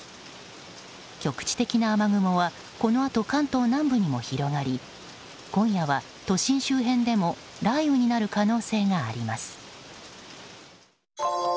局地的な雨雲はこのあと関東南部にも広がり今夜は都心周辺でも雷雨になる可能性があります。